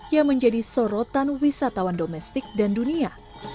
yang menjadi sorotan wisatawan domestik dan dunia